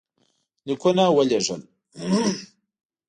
لیکونه ولېږل.